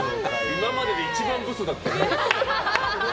今までで一番ブスだったよ。